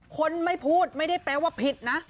คนไม่พูดไม่ได้แปลว่าผิดนะ